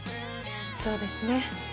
そうですね。